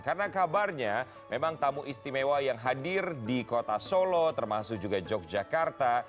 karena kabarnya memang tamu istimewa yang hadir di kota solo termasuk juga yogyakarta